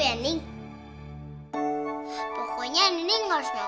kalo nini kekal di rumah